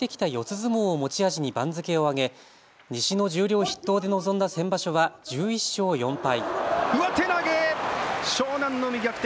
相撲を持ち味に番付を上げ、西の十両筆頭で臨んだ先場所は１１勝４敗。